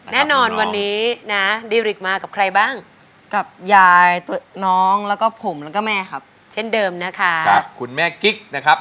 แล้วก็ผมแล้วก็แม่ครับเช่นเดิมนะคะค่ะคุณแม่กิ๊กนะครับ